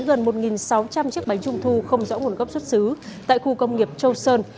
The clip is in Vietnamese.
gần một sáu trăm linh chiếc bánh trung thu không rõ nguồn gốc xuất xứ tại khu công nghiệp châu sơn